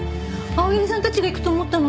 青柳さんたちが行くと思ったのに。